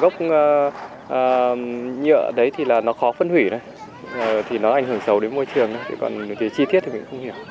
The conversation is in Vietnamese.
còn nhựa đấy thì là nó khó phân hủy đấy thì nó ảnh hưởng xấu đến môi trường đấy còn cái chi tiết thì mình cũng không hiểu